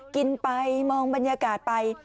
กินไปมองบรรยากาศไป